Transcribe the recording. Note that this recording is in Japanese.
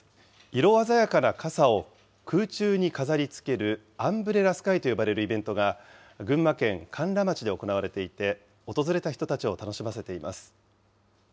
色鮮やかな傘を空中に飾りつけるアンブレラスカイといわれるイベントが、群馬県甘楽町で行われていて、訪れた人たちを楽しませています。